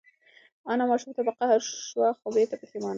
انا ماشوم ته په قهر شوه خو بېرته پښېمانه ده.